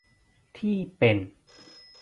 ที่เป็น